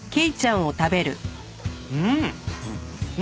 うん！